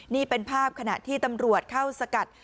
นี่เป็นภาพขณะที่ตำรวจเข้าสกัด